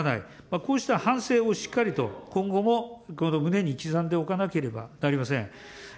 こうした反省をしっかりと今後もこの胸に刻んでおかなければなりません。